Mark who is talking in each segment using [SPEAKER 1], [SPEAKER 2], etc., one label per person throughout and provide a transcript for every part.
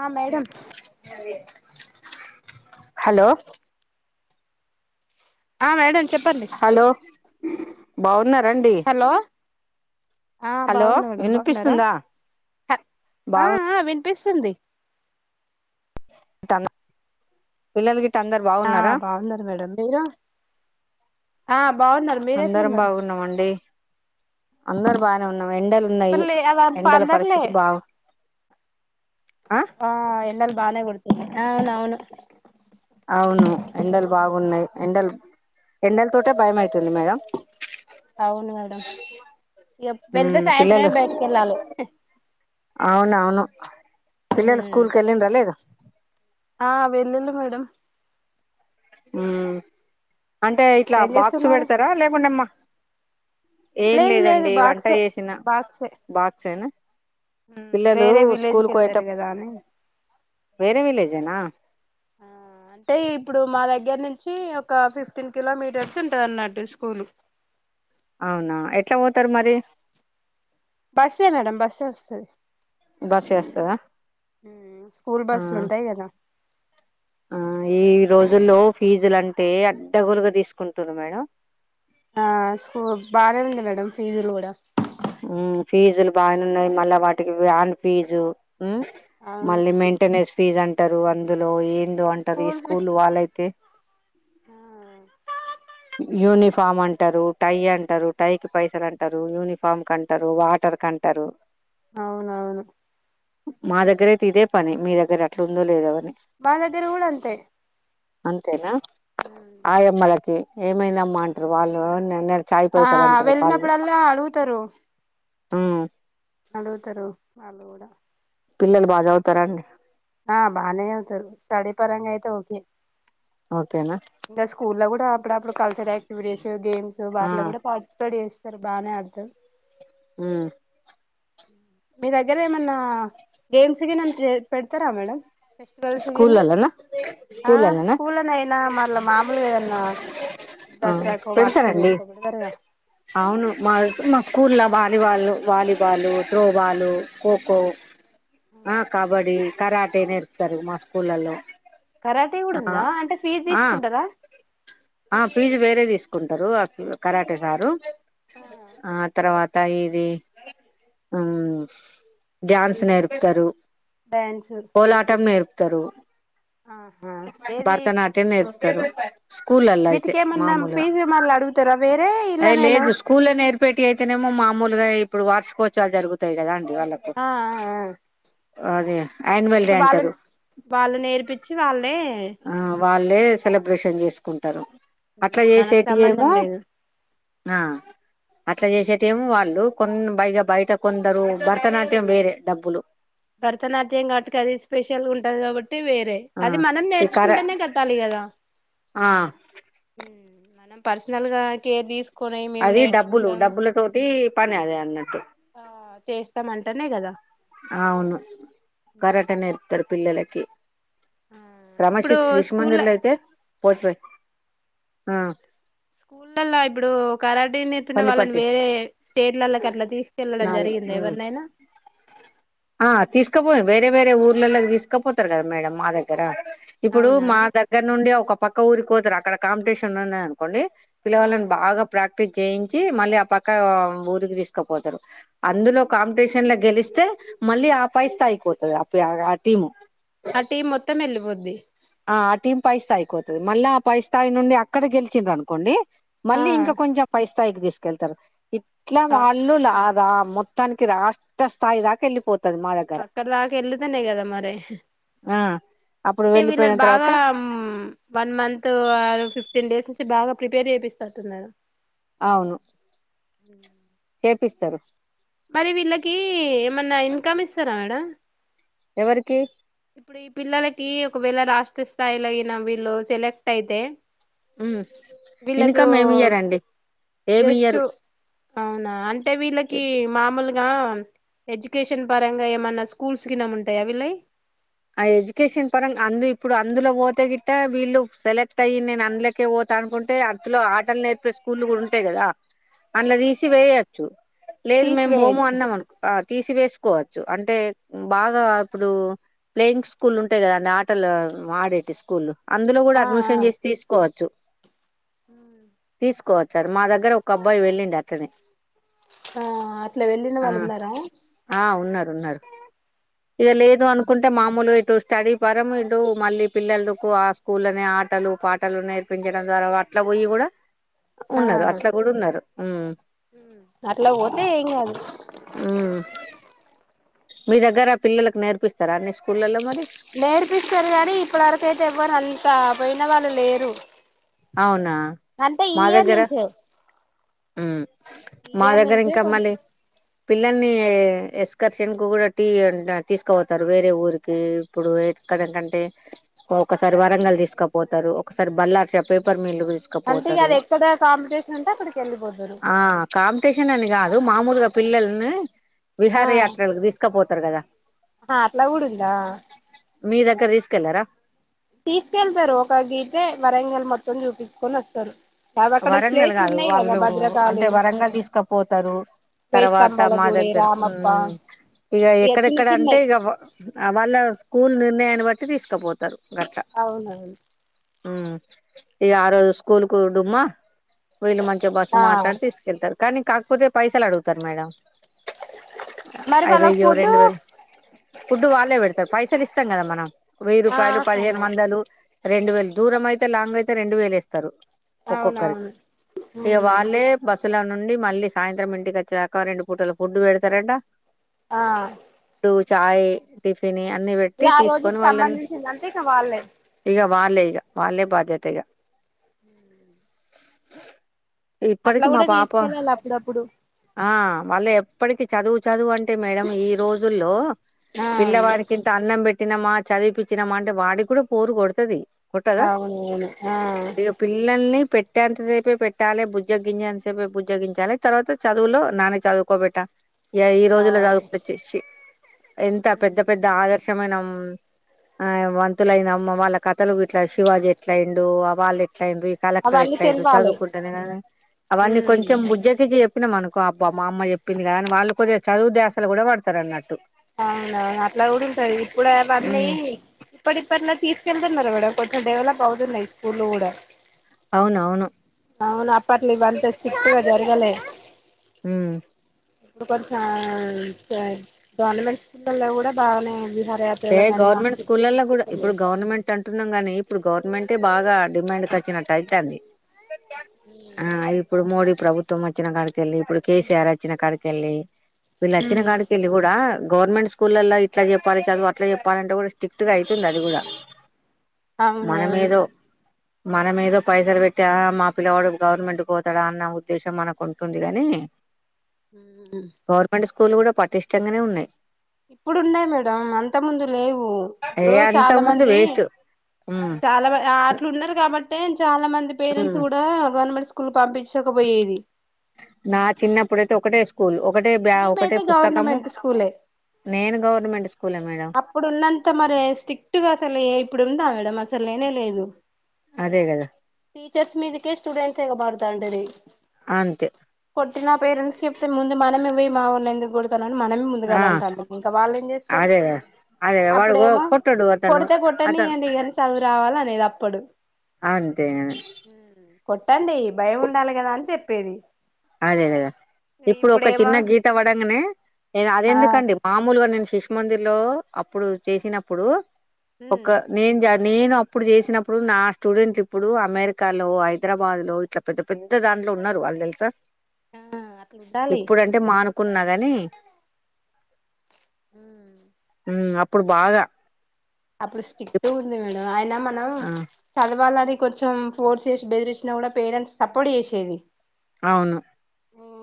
[SPEAKER 1] ఆ
[SPEAKER 2] అ
[SPEAKER 1] madam
[SPEAKER 2] hello
[SPEAKER 1] ఆ మేడం చెప్పండి
[SPEAKER 2] బావున్నా రండి
[SPEAKER 1] హలో ఆ బాగున్నం అండి బాగున్నారా
[SPEAKER 2] వినిపిస్తుందా
[SPEAKER 1] ఆ
[SPEAKER 2] బాగు
[SPEAKER 1] విని పిస్తుంది.
[SPEAKER 2] తింటాన్న పిల్లలు గిట్ల
[SPEAKER 1] ఆ బాగున్నారు. మేడం మీరు ఆ బాగున్నార్ మీరూ ఎట్ల
[SPEAKER 2] అందరం
[SPEAKER 1] ఉన్నారు.
[SPEAKER 2] బాగున్నామండి అందరు బాగానే ఉన్నాం ఎండలు ఉన్నాయి
[SPEAKER 1] మల్లి అది అంత
[SPEAKER 2] ఎండల
[SPEAKER 1] అందట్లే
[SPEAKER 2] పరిస్థితి బాగు
[SPEAKER 1] ఆ ఎండలు బానే కొడుతున్నాయి. ఆ నా అవును
[SPEAKER 2] అవును ఎండలు బాగున్నాయి. ఎండలు ఎండల తోటే భయమయితుంది మేడం
[SPEAKER 1] అవును మేడం ఇక వెళ్తే
[SPEAKER 2] హ్
[SPEAKER 1] సాయంత్రమే
[SPEAKER 2] పిల్లలు స్కూ
[SPEAKER 1] బయటికి వెళ్ళాలి
[SPEAKER 2] అవును అవును పిల్లలు స్కూల్ కు ఎల్లిండ్రా లేదా
[SPEAKER 1] ఆ వెల్లుల్లి మేడం
[SPEAKER 2] హ్ అంటే ఇట్లా
[SPEAKER 1] ఏం
[SPEAKER 2] బాక్స్
[SPEAKER 1] చేస్తున్నారు
[SPEAKER 2] పెడతారా లేకుంటె అమ్మా ఏం
[SPEAKER 1] లేదు లేదు
[SPEAKER 2] లేదండి వంట
[SPEAKER 1] బాక్సే
[SPEAKER 2] చేసిన బాక్స్ ఏనా
[SPEAKER 1] హ్ వేరే విలేజ్కి ఏళ్తారు
[SPEAKER 2] పోయేటప్
[SPEAKER 1] గాదా అని
[SPEAKER 2] వేరే విలేజేనా
[SPEAKER 1] ఆ అంటే ఇప్పుడు మా దగ్గర నుం చి ఒక ఫిఫ్టీన్ కిలోమీటర్స్ ఉంటది. అన్నట్టు స్కూల్
[SPEAKER 2] అవునా ఎట్లా పోతారు మరి
[SPEAKER 1] బస్సే మేడం బస్సే వస్తది.
[SPEAKER 2] బస్ చేస్తదా
[SPEAKER 1] స్కూల్
[SPEAKER 2] ఆ
[SPEAKER 1] బస్లు ఉంటాయి. గాదా
[SPEAKER 2] ఆ ఈ రోజుల్లో ఫీజులంటే అడ్డగోలుగా తీసుకుంటురు మేడం
[SPEAKER 1] ఆ స్కూ బాగానే ఉంది. మేడం ఫీజులు కూడా
[SPEAKER 2] ఉం ఫీజులు బాగానేఉన్నాయ్ మళ్ళా వాటికి వ్యాన్ ఫీజు ఉం
[SPEAKER 1] అవును
[SPEAKER 2] మళ్ళీ మెయింటెనెన్స్ ఫీజ్ అంట తరు అందులో ఏ ఇందో అంటారు ఈ స్కూల్ వాళ్ళయితే ఫామ్ అంటారు, టై అంటారు, టై కి పైసలు అంటారు, యూనిఫామ్ కంటారు వాటర్ కంటారు.
[SPEAKER 1] అవునవును
[SPEAKER 2] మా దగ్గర అయితే ఇదే పని మీ దగ్గర అట్లా ఉందో లేదో. అని
[SPEAKER 1] మా దగ్గేర గూడ అంతే
[SPEAKER 2] అంతేనా ఆయమ్మలకి ఏమైంది ఆమ్మా అంటారు. వాళ్ళు [unintelligible]
[SPEAKER 1] ఆ
[SPEAKER 2] అంటారు
[SPEAKER 1] వెళ్ళినప్పుడల్లా అడుగుతారు.
[SPEAKER 2] ఉం
[SPEAKER 1] అడుగుతారు వాళ్ళు కూడా
[SPEAKER 2] పిల్లలు బాగ చదువుతార అండి
[SPEAKER 1] ఆ బాగానే చదువుతారు స్టడీ పరంగా అయితే ఓకే.
[SPEAKER 2] ఓకేనా
[SPEAKER 1] ఇంకా స్కూల్ లో కూడా అప్పుడప్పుడు కల్చరల్ యాక్టివిటీస్ గేమ్స్
[SPEAKER 2] ఆ
[SPEAKER 1] వాటిలో కూడా పార్టిసిపేట్ చేస్త సరే బాగనే అర్థం
[SPEAKER 2] ఉమ్
[SPEAKER 1] మీ దగ్గర ఏమ నా గేమ్స్ గిన్ న పెట్ ఇస్తర మేడమ్
[SPEAKER 2] స్కూల్ లోనేనా స్కూల్ లోనేనా
[SPEAKER 1] స్కూల్లోనయినా మళ్ళా మామూలుగా ఏదన్నా
[SPEAKER 2] ఆ
[SPEAKER 1] దసరాకో వాటికో
[SPEAKER 2] పెడతారండి
[SPEAKER 1] వీటికో పెడతారుగా
[SPEAKER 2] అవును మా యో మా స్కూల్ ల్యాబ్ వాలీబాల్లు వాలీబాలు త్రోబాలు ఖోఖో ఆ కబడి కరాటే టరు మా స్కూళ్లలో
[SPEAKER 1] కరాటీ కూడా
[SPEAKER 2] ఆ
[SPEAKER 1] ఉందా అంటే ఫీజ్
[SPEAKER 2] ఆ
[SPEAKER 1] తీసుకుంటారా.
[SPEAKER 2] ఆ పీజు వేరే తీసుకుంటారు ఆ కరాటే సారు ఆ తర్వాత త ఇది ఉమ్మ్ డాన్స్ నేర్పుతారు.
[SPEAKER 1] డ్యాన్స్
[SPEAKER 2] కోలాటం నేర్పుతారు
[SPEAKER 1] ఆహా ఏది
[SPEAKER 2] భరతనాట్యం నేర్పు తరు [inaudible] స్కూల్లల్లో అయితే
[SPEAKER 1] వీటికేమన్నా
[SPEAKER 2] మామూలుగా
[SPEAKER 1] ఫీజు మళ్ళీ అడుగుతారా వేరే
[SPEAKER 2] అయి
[SPEAKER 1] ఇలానేనా
[SPEAKER 2] లేదు స్కూల్ నేర్పేటీ అయితేనేమో మామూలుగా ఇప్పుడు వార్షికోత్సవాలు జరుగుతాయి కదా వాళ్ళకు
[SPEAKER 1] ఆ ఆ ఆ
[SPEAKER 2] అదే యాన్యువల్ డే
[SPEAKER 1] వాళ్ళు
[SPEAKER 2] అంటారు
[SPEAKER 1] వాళ్ళు నేర్పించి వాళ్ళే అ [inaudible]
[SPEAKER 2] ఆ వాళ్ళే సెలబ్రేషన్ చేసుకుంటారు అట్లా
[SPEAKER 1] మనకు
[SPEAKER 2] చేసేటి
[SPEAKER 1] సంబంధం
[SPEAKER 2] ఏమో
[SPEAKER 1] లేదు
[SPEAKER 2] ఆ అట్లా చేసేట ఏమో వాళ్ డు కొన్ బైగా బయట కొందరు భరతనాట్యం బేరే డబ్బులు
[SPEAKER 1] భరతనాట్యం కాబట్టి కి అది స్పెషల్గా ఉంటది కాబట్టి వేరే
[SPEAKER 2] ఆ
[SPEAKER 1] అది మనం
[SPEAKER 2] ఈ కర
[SPEAKER 1] నేర్చుకుంటేనే కట్టాలి కదా
[SPEAKER 2] ఆ
[SPEAKER 1] మనం పర్సనల్ గా కేర్ తీసుకు
[SPEAKER 2] అది డబ్బులు డబ్బుల తోటి పని అదే అన్నట్టు
[SPEAKER 1] ఆ చేస్తామ అంటానే కదా
[SPEAKER 2] అవును కరాట నేర్పుతారు పిల్లకి
[SPEAKER 1] ఆ
[SPEAKER 2] క్రమశి
[SPEAKER 1] ఇప్పుడు స్కూల్
[SPEAKER 2] శిశుమందిర్లో అయితే పోట్ ఆ
[SPEAKER 1] స్కూళ్లల్లో ఇప్పుడు కరాటే నేర్పిన వాళ్ళని
[SPEAKER 2] పల్లిపట్టి
[SPEAKER 1] వేరే స్టేట్లలోకి అట్లా తీసుకెళ్ళడం
[SPEAKER 2] నాలుగు
[SPEAKER 1] జరిగింది
[SPEAKER 2] ఉమ్
[SPEAKER 1] ఎవరినైనా
[SPEAKER 2] ఆ తీసుకపోయి వేరే వేరే ఊర్లలో తీసుకపోతారు కదా మేడం మా దగ్గర ఇప్పుడు
[SPEAKER 1] అవునా
[SPEAKER 2] మా దగ్గర నుండి ఒక పక్క ఊరికి పోతారు. అక్కడ కాంపిటీషన్ ఉన్న అనుకోండి
[SPEAKER 1] ఆ
[SPEAKER 2] పిల్లవాళ్ళని బాగా ప్రాక్టీస్ చేయించి మళ్ళీ ఆ పక్క ఊరికి తీసుకుపోతారు. అందులో కాంపిటీషన్ లో గెలిస్ స్తే మళ్ళీ ఆ పై స్థాయిపోతది ఆ టీమ్
[SPEAKER 1] ఆ టీం మొత్తం వెళ్ళిపోద్ది
[SPEAKER 2] ఆ ఆ టీం పై స్థాయిపోతది మళ్ళీ ఆ పై స్థాయి నుండి అక్కడ గెలిచిండ్రు అనుకోండి
[SPEAKER 1] ఆ
[SPEAKER 2] మళ్ళీ ఇంకా కొంచెం పై స్తాయిక్ దిస్ కెళ్తారు ఇట్లా వాళ్ళు లా రా మొత్తానికి రాష్ట్ర స్థాయి దాక వెళ్ళిపో
[SPEAKER 1] అక్కడ దాకా వెళ్ళితనే కదా మరి,
[SPEAKER 2] ఆ అప్పుడు
[SPEAKER 1] అంటే
[SPEAKER 2] వెళ్ళిపోయిన
[SPEAKER 1] వీళ్ళని
[SPEAKER 2] తర్వాత
[SPEAKER 1] బాగా వన్ మంత్ ఫిఫ్టీన్ డేస్ బాగా ప్రిపేర్ చేయిపిస్తటట్టున్నారు
[SPEAKER 2] అవును
[SPEAKER 1] హు
[SPEAKER 2] చేపిస్తరు
[SPEAKER 1] మరి వీళ్ళకి ఏమన్నా ఇన్కమ్ ఇస్తారా మేడం
[SPEAKER 2] ఎవరికి
[SPEAKER 1] ఇప్పుడు ఈ పిల్లలకి ఒకవేళ రాష్ట్ర స్థాయిలో యినా వీళ్ళు సెలెక్ట్ అయితే
[SPEAKER 2] హ్మ్
[SPEAKER 1] వీళ్ళకు
[SPEAKER 2] ఇన్కమ్ ఏమి ఇయ్యరండి ఏమి
[SPEAKER 1] జస్ట్
[SPEAKER 2] ఇయ్యరు
[SPEAKER 1] అవునా అంటే వీళ్ళ కి మామూలుగా ఎడ్యుకేషన్ పరంగా ఏమన్నా స్కూల్స్ గీనం ఉంటాయా వీళ్ళయి
[SPEAKER 2] ఆ ఎడ్యుకేషన్ పరంగ్ అందు ఇప్పుడు అందులో పోతే గిట్ట, వీళ్ళు సెలెక్ట్ అయ్యి నేను అందులకే పోతా అనుకుంటే అందులో ఆటలు నే స్కూల్ కూడా ఉంటాయి కదా, అందులో తీసి వేయచ్చు లేదు మేము బోము
[SPEAKER 1] తీసివేయొచ్చు
[SPEAKER 2] అన్నాం అనుకో ఆ తీసివేస్ కోవచ్చు అంటే బాగా ఇప్పుడు ప్లేయింగ్ స్కూల్ల్ ఉంటాయి కదా అండి ఆటలు ఆడేటివి స్కూల్ల్ అందులో కూడా
[SPEAKER 1] ఆ ఆ
[SPEAKER 2] అడ్మిషన్ చేసి తీసుకోవచ్చు తీసుకోవచ్చారు మా దగ్గర ఒక అబ్బాయి వెళ్ళిండు అట్లనే
[SPEAKER 1] ఆ అట్లా వెళ్ళిన వాళ్ళు ఉన్నారా
[SPEAKER 2] తున్నార్ ఇక లేదు అనుకున్ అంటే మామూలు గా ఇటు స్టడీ పరం ఇటు మళ్ళీ పిల్లల్ దు కు ఆ స్కూల్నే ఆటలు పాటలు నేర్పించడం ద్వారా అట్ల పోయి కూడా
[SPEAKER 1] ఆ
[SPEAKER 2] ఉన్నరు అట్లా కూడా ఉన్నరు మ్మ్
[SPEAKER 1] అట్లా పోతే ఏం కాదు
[SPEAKER 2] హ్మ్. మీ దగ్గర పిల్లలకు నేర్పిస్తారా అన్ని స్కూళ్లలో మరి
[SPEAKER 1] నేర్పిస్తారు కానీ ఇప్పటి వరకు ఆయితే ఎవ్వరు అంత పోయినవాళ్ళు లేరు
[SPEAKER 2] అవునా
[SPEAKER 1] అంటే ఈ
[SPEAKER 2] మా
[SPEAKER 1] ఇయర్
[SPEAKER 2] దగ్గర
[SPEAKER 1] నుంచే
[SPEAKER 2] మ్మ్.
[SPEAKER 1] ఈ
[SPEAKER 2] మా
[SPEAKER 1] ఇయర్
[SPEAKER 2] దగ్గర
[SPEAKER 1] నుంచే
[SPEAKER 2] ఇంకా మళ్ళీ
[SPEAKER 1] కొంచెం
[SPEAKER 2] పిల్లల్ని ఎస్కర్షన్ కు కూడా టీ ఉండే తీసుకపోతారు వేరే ఊరికి ఇప్పుడు ఎక్కడకంటే ఒకసారి వరంగల్ తీసుకుపోతారు ఒకసారి బల్లా చెప్ పేపర్
[SPEAKER 1] అంతేగా అది ఎక్కడ కాంపిటీషన్ ఉంటే అక్కడికెళ్ళిపోతారు
[SPEAKER 2] టేషన్ అని గాదు మామూలుగా పిల్లల్ని విహారయాత్రలకు తీసుకపోతారు కదా
[SPEAKER 1] ఆ అట్లా గూడుందా
[SPEAKER 2] మీ దగ్గర తీసుకెళ్ళారా
[SPEAKER 1] తీసుకెళ్తారు ఒక గీటే వరంగల్ మొత్తం చూపిచ్చుకొని వస్తరు
[SPEAKER 2] వరంగల్ కాదు వాళ్ళు అంటే వరంగల్ తీసుకపోతారు
[SPEAKER 1] వేయి
[SPEAKER 2] తర్వాత
[SPEAKER 1] స్తంభాల
[SPEAKER 2] మా
[SPEAKER 1] గుడి
[SPEAKER 2] దగ్గర
[SPEAKER 1] రామప్ప
[SPEAKER 2] ఉమ్ ఇగ
[SPEAKER 1] ఇక చిన్న
[SPEAKER 2] ఎక్కడెక్కడటే
[SPEAKER 1] చిన్నయి
[SPEAKER 2] ఇగ ఆ వాళ్ళ స్కూల్ నిర్ణయాన్ని బ ట్టి తీస్కపోతారు
[SPEAKER 1] అవునవును
[SPEAKER 2] ఊ ఇగ ఆ రోజు స్కూల్ కు డుమ్మా వీళ్ళు మంచిగా బస్సు
[SPEAKER 1] ఆ
[SPEAKER 2] మాట్లాడి తీసుకెళ్తారు కానీ కాకపోతే పైసలు అడుగుతారు మేడం
[SPEAKER 1] మరి
[SPEAKER 2] అయి
[SPEAKER 1] వాళ్ళకి
[SPEAKER 2] వయ్యో
[SPEAKER 1] ఫుడ్
[SPEAKER 2] రెండు వేలు ఫుడ్డు వాళ్ళే పెడతారు పైసలిస్తాం కదా మనం వెయ్యి రూపాయలు
[SPEAKER 1] ఆహా
[SPEAKER 2] పదిహేను వందలు రెండు వేలు దూరమై తే లాంగ్ అయితే రెండు వేలేస్తరు ఒక్కొక్కరి
[SPEAKER 1] అవునవును
[SPEAKER 2] ఇక
[SPEAKER 1] ఉమ్
[SPEAKER 2] వాళ్ళే బస్ పులో నుండి మళ్ళీ సాయంత్రం ఇంటికి వచ్చేదాక రెండు పూటలు ఫుడ్ పెడతారట
[SPEAKER 1] ఆ
[SPEAKER 2] చాయ్ టిఫిన్ అన్ని
[SPEAKER 1] ఇగ
[SPEAKER 2] పెట్టి
[SPEAKER 1] ఆ రోజుకి
[SPEAKER 2] తీసుకొని వాళ్ళని
[SPEAKER 1] సంబంధించిందంతా ఇక వాళ్ళే
[SPEAKER 2] ఇక వాళ్ళే ఇగ వాళ్ళే బాధ్యత ఇగ
[SPEAKER 1] అట్లా
[SPEAKER 2] ఇప్పటికి మా
[SPEAKER 1] కూడా
[SPEAKER 2] పాప
[SPEAKER 1] తీసుకెళ్ళాలి అప్పుడప్పుడు
[SPEAKER 2] ఆ వాళ్ళే ప్పటికి చదువు చదువు అన్ టే మేడం ఈ రోజుల్లో
[SPEAKER 1] ఆ
[SPEAKER 2] పిల్లవారికింత అన్నం పెట్ ట్టినమా చదివిపిచ్చినమా అంటే వాడికి కూడా పోరు కొడుతుది
[SPEAKER 1] అవునవును ఆ
[SPEAKER 2] లని పెట్టేంత సేపు పెట్టాలి బుజ్జగ్గించేంత సేపే బుజ్జగించాలి తర్వాత చదువులో నాన్న చదువుకోబెట్టా ఈ
[SPEAKER 1] ఆ
[SPEAKER 2] రోజుల రాగుపచ్చేసి ఎంత పెద్ద పెద్ద ఆదర్శం ఇష్టమైన ఆ వంతులయినమ్మ వాళ్ళ కథలు ఇట్లా శివాజీ ఎట్లా అయిండు వాళ్ళు ఎట్లైండు ఈ కలెక్టర్
[SPEAKER 1] అవన్నీ
[SPEAKER 2] ఎట్లైండు
[SPEAKER 1] తెలవాలి
[SPEAKER 2] చదువుకుంటెనే కద అవన్నీ
[SPEAKER 1] ఉమ్
[SPEAKER 2] కొంచెం బుజ్జగిచ్చి చెప్పినాం అనుకో అబ్బా మా అమ్మ చెప్పింది కదా అని వాళ్ళు కొద్దిగా చదువు ధ్యాసలో కూడా పడతారు అన్నట్టు
[SPEAKER 1] అవునవును అట్లా కూడా ఉంటది ఇప్పుడు అవన్నీ ఇప్పుటిప్పటి లో తీసుకెళ్తున్నారు కూడా కొంచెం డెవలప్ అవుతున్నాయి స్కూల్ కూడా
[SPEAKER 2] అవునవును
[SPEAKER 1] అవును అప్పట్లు ఇవంత స్ట్రిక్ట్ గా జరగలే
[SPEAKER 2] ఉమ్
[SPEAKER 1] ఇప్పుడు కొంచెం స్ గవర్నమెంట్ స్కూల్లో కూడా బాగానేయంది
[SPEAKER 2] ఏ గవర్నమెంట్ స్కూల్ల్లో కూడా ఇప్పుడు గవర్నమెంట్ అంటున్నాం గానీ ఇప్పుడు గవర్నమెంటె బాగా డిమాండ్కి వచ్చినట్టు అయితే అంది ఆ ఇప్పుడు మోడీ ప్రభుత్వం వచ్చిన కాడికిళ్ళి ఇప్పుడు కేసీఆర్ వచ్చిన కాడికేళ్ళి వీళ్ళు వచ్చిన
[SPEAKER 1] ఉమ్
[SPEAKER 2] కాడికి వెళ్ళి కూడా గవర్నమెంట్ స్కూలల్లో ఇట్లా చెప్పాలి చదువు అట్లా చెప్పాలంటే కూడా స్ట్రిక్ట్ గా అయితుంది అది కూడా
[SPEAKER 1] అవునవును
[SPEAKER 2] మనం ఏదో పైసలు పెట్టా మా పిల్లవాడు గవర్నమెంట్కి పోతాడా అన్న ఉద్దేశం మనకు ఉంటుంది కాని
[SPEAKER 1] ఉ
[SPEAKER 2] స్కూల్ కూడా పటిష్టంగానే ఉన్నాయి
[SPEAKER 1] ఇప్పుడున్నాయి మేడం అన్ త ముందు లేవు
[SPEAKER 2] ఏ
[SPEAKER 1] ఇప్పుడు చాలా
[SPEAKER 2] అంతకు ముందు
[SPEAKER 1] మంది
[SPEAKER 2] వేస్ట్ ఉమ్
[SPEAKER 1] చాలా మ ఆట్లున్నరు కాబట్టే చాలా మంది పేరెంట్స్
[SPEAKER 2] ఉమ్
[SPEAKER 1] కూడా గవర్నమెంట్ స్కూల్ పంపిచ్చకపొయ్యేది
[SPEAKER 2] నా చిన్నప్పుడైతే ఒకటే స్కూల్ ఒకటే బ్యాగ్ ఒకటే
[SPEAKER 1] మేమైతే
[SPEAKER 2] పుస్తకము
[SPEAKER 1] గవర్నమెంట్ స్కూలే
[SPEAKER 2] నేను గవర్నమెంట్ స్కూలే మేడం
[SPEAKER 1] అప్పుడు ఉన్నంత మరి స్ట్రిక్ట్గా అసలు ఇప్పుడు ఉందా మేడమ్ అసలు అసలు లేనే లేదు
[SPEAKER 2] అదే కదా
[SPEAKER 1] టీచర్స్ మీదికే స్టూడెంట్స్ ఎగబారు తండ్రి
[SPEAKER 2] అంతే
[SPEAKER 1] కొట్టినా పేరెంట్స్కి చెప్తే ముందు మనమే పోయి మావోన్ని ఎందుకు కొడుతున్నారు గాని మనమే
[SPEAKER 2] ఆ
[SPEAKER 1] ముందుగాలంటాండం ఇంక‌ వాళ్ళేం చేస్తారు
[SPEAKER 2] అదే అదే వాడు గో
[SPEAKER 1] అప్పుడేమో
[SPEAKER 2] కొట్టడు అతను అతను
[SPEAKER 1] రావాలనేది అప్పుడు
[SPEAKER 2] అంతే గని
[SPEAKER 1] కొట్టండి భయం ఉండాలి గదా అని చెప్పేది
[SPEAKER 2] అదే గదా ఇప్పుడు ఒక
[SPEAKER 1] ఇప్పుడేమో
[SPEAKER 2] చిన్న గీత పడంగనే
[SPEAKER 1] ఆ
[SPEAKER 2] అదెందుకండి మామూలుగా నేను శిష్మందిర్ లో అప్పుడు చేసినప్పుడు
[SPEAKER 1] ఉమ్
[SPEAKER 2] ఒక నేను జాతి నేను అప్పుడు చేసినప్పుడు నా స్టూడెంట్ ఇప్పుడు అమెరికాలో హైదరాబాద్ లో ఇట్లా పెద్ద పెద్ద దాంట్లో ఉన్నారు వాళ్ళు తెలుసా
[SPEAKER 1] ఆ అట్లా ఉండాలి
[SPEAKER 2] ఇప్పుడంటే మాను కున్నా కాగాని
[SPEAKER 1] ఉమ్
[SPEAKER 2] ఇప్పుడు బాగా
[SPEAKER 1] అప్పుడు స్టిక్ట్ ఉంది మేడం అయినా మనం
[SPEAKER 2] ఆ
[SPEAKER 1] చద వాళ్ళని కొంచెం ఫోర్స్ చేసి బెదిరించినా కూడా పేరెంట్స్ సపోర్ట్ చేసేది
[SPEAKER 2] అవును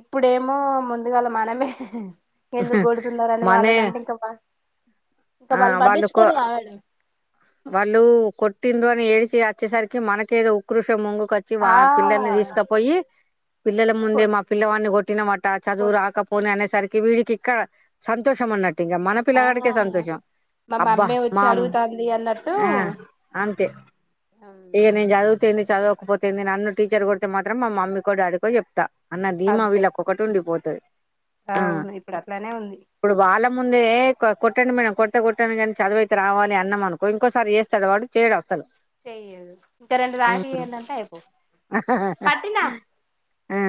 [SPEAKER 1] ఇప్పుడేమో ముందుగాల మనమే ఎందుకు గొడుతున్నారుర అని
[SPEAKER 2] మనే
[SPEAKER 1] వాళ్ళనింటే ఇంకా ఇంకా
[SPEAKER 2] ఆ వాళ్ళు కో
[SPEAKER 1] పట్టించుకోరు కా మేడం
[SPEAKER 2] వాళ్ళు కొటింద్రు అని ఏ వచ్చేసరికి మనకేద ఉక్రషం ముంగ చ్చి వా
[SPEAKER 1] ఆ
[SPEAKER 2] పిల్లల్ని తీసుకపోయి
[SPEAKER 1] కొ
[SPEAKER 2] పిల్లందే మా పిల్లవాడిని కొట్టి తినట్ చా
[SPEAKER 1] కొ
[SPEAKER 2] దూరు ఆక పోను అ సరికి వీడికిక్కడ సంతోషం అన్న ట్టింగ మన
[SPEAKER 1] ఆ
[SPEAKER 2] పిల్లడికే సంతోషం
[SPEAKER 1] మా
[SPEAKER 2] అబ్బా
[SPEAKER 1] మమ్మీ వచ్చి
[SPEAKER 2] మా
[SPEAKER 1] అడుగుతాంది అన్నట్టు
[SPEAKER 2] ఇగ నేను చదువుతేంది చదవకపోతేంది నన్ను టీచర్ కొడితే మాత్రం మా మమ్మీకో డాడీకో చెప్తా అన్న ధీమా
[SPEAKER 1] అంతే
[SPEAKER 2] వీళ్ళకొకటుండి పో అ
[SPEAKER 1] అవును ఇప్పుడు అట్లానే ఉంది
[SPEAKER 2] వాళ్ళ ముందే కొట్టండి మేడం కొట్ట కొట్టండి కానీ చదువైతే రావాలి అన్నాం అనుకో ఇంకోసారి చేస్తాడు వాడు చేయడు వస్తాడు
[SPEAKER 1] చెయ్యదు ఇంకా రెం దాకాడింట అయిపో పట్న
[SPEAKER 2] ఆ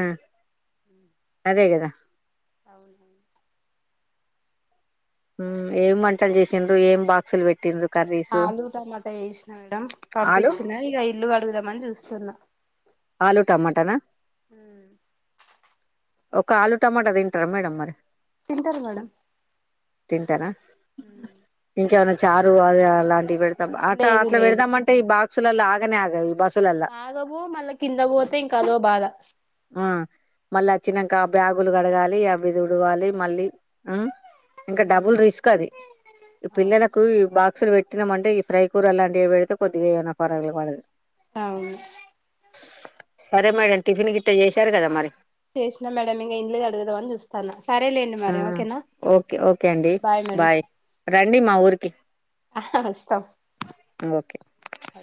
[SPEAKER 2] అదే కదా
[SPEAKER 1] అవునువు
[SPEAKER 2] ఏం వంటలు చేసింద్రు ఏం బాక్సులు పెట్టిందిరు
[SPEAKER 1] ఆలుూ టమాటా వేసిన మేడ
[SPEAKER 2] ఆలు
[SPEAKER 1] పంపించిన ఇక ఇల్లు కడుగుదాంమని చూస్తున్నా
[SPEAKER 2] ఆలూ టమాటానా ఒక ఆలు టమాటా తింటారా మేడ మరి
[SPEAKER 1] తింటారు మేడం
[SPEAKER 2] తింటారా ఇంకెవను చారు అది అలాంటివిడు అ
[SPEAKER 1] లేదు
[SPEAKER 2] అట్లా పెడదామంటే ఈ బాగా ససలలా ఆగనే ఆగా ఈ బా
[SPEAKER 1] రాగబో మళ్ళా కింద పోతే ఇంకాదో బాధ
[SPEAKER 2] మళ్ళా వచ్చినాక బ్యాగులు కడగాలి అభ దుడవాలి మళ్ళీ ఆ ఇంకా డబుల్ రిస్క్ అది ఈ
[SPEAKER 1] అవును
[SPEAKER 2] పిల్లలకు ఈ బాక్సులు పెట్టి తట్టినమ అంటే ఫ్రై కూర అలాంటివి పెడితే కొద్దిగా ఏమైనా పరవడదు
[SPEAKER 1] అవును
[SPEAKER 2] సరే మేడం టిఫిన్ గిట్ట చేసారు కదా మరి
[SPEAKER 1] చేసినా మేడమ్ ఇం ఇంటిలుకి అడగాంని చూస్తాను సరేలేండి మరి
[SPEAKER 2] హ్మ్
[SPEAKER 1] ఓకేనా
[SPEAKER 2] ఓకే ఓకే అండి బాయ్ రండి మా ఊరికి
[SPEAKER 1] వస్తాం
[SPEAKER 2] ఓకే
[SPEAKER 1] అ